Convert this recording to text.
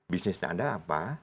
bisnisnya anda apa